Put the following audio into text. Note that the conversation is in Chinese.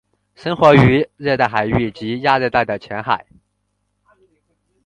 生活于热带海域及亚热带的浅海。